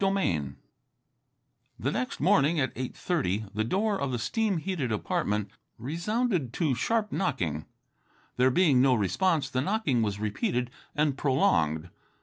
XIV The next morning at eight thirty the door of the steam heated apartment resounded to sharp knocking. There being no response, the knocking was repeated and prolonged.